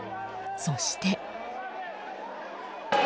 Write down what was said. そして。